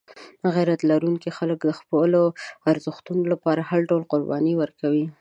غیرت لرونکي خلک د خپلو ارزښتونو لپاره هر ډول قرباني ورکوي.